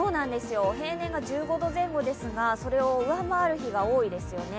平年が１５度前後ですがそれを上回る日が多いですね。